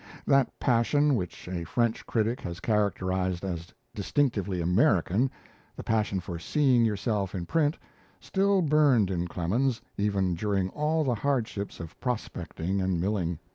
That passion which a French critic has characterized as distinctively American, the passion for "seeing yourself in print," still burned in Clemens, even during all the hardships of prospecting and milling.